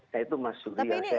nah itu mas juri yang saya harapkan